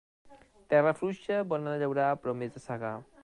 Terra fluixa, bona de llaurar, però més de segar.